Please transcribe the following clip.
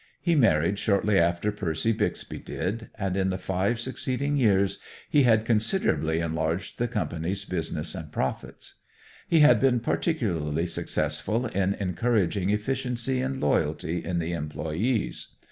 He married shortly after Percy Bixby did, and in the five succeeding years he had considerably enlarged the company's business and profits. He had been particularly successful in encouraging efficiency and loyalty in the employees.